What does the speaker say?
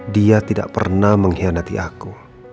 dia tidak pernah mengkhianati aku